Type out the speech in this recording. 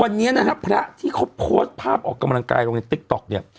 วันนี้นะฮะพระที่เขาโพสต์ภาพออกกำลังกายลงในติ๊กต๊อกเนี่ย